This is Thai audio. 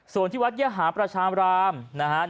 ส่วนที่วัดยหาประชามรามนะฮะ